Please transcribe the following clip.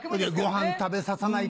ごはん食べさせなあ